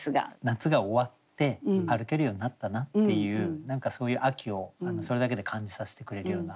夏が終わって歩けるようになったなっていう何かそういう秋をそれだけで感じさせてくれるような句ですね。